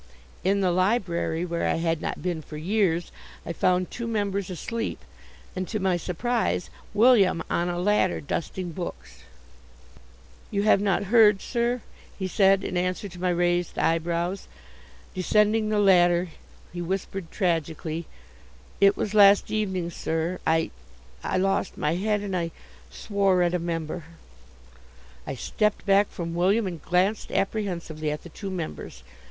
In the library, where I had not been for years, I found two members asleep, and, to my surprise, William on a ladder dusting books. "You have not heard, sir?" he said in answer to my raised eyebrows. Descending the ladder he whispered, tragically: "It was last evening, sir. I I lost my head and I swore at a member." I stepped back from William, and glanced apprehensively at the two members.